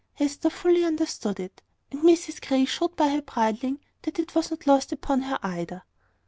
Hester fully understood it; and Mrs Grey showed by her bridling that it was not lost upon her either.